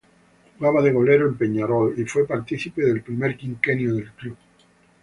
Jugaba de golero en Peñarol y fue partícipe del primer Quinquenio del club.